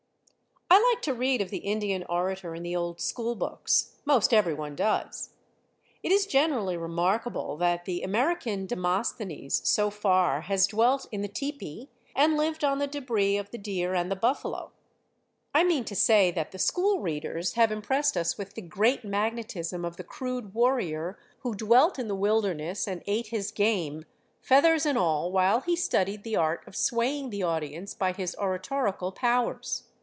I like to read of the Indian orator in the old school books. Most everyone does. It is generally remarkable that the American Demosthenes, so far, has dwelt in the tepee, and lived on the debris of the deer and the buffalo. I mean to say that the school readers have impressed us with the great magnetism of the crude warrior who dwelt in the wilderness and ate his game, feathers and all, while he studied the art of swaying the audience by his oratorical powers.